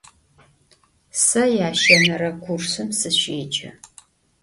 Se yaşenere kursım sışêce.